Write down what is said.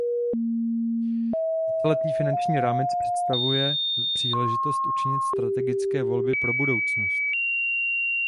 Víceletý finanční rámec představuje příležitost učinit strategické volby pro budoucnost.